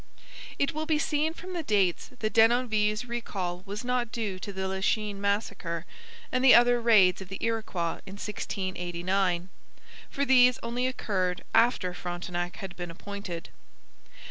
It will be seen from the dates that Denonville's recall was not due to the Lachine massacre and the other raids of the Iroquois in 1689, for these only occurred after Frontenac had been appointed.